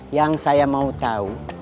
yang saya mau tahu